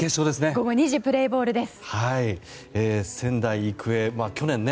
午後２時プレーボールです。